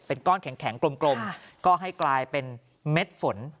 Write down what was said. เป็นก้อนแข็งกลมก็ให้กลายเป็นเม็ดฝน